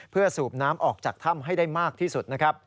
เพื่อสูบน้ำออกจากถ้ำให้ได้มากที่สุดนะครับ